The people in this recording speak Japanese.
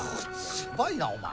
やばいなお前。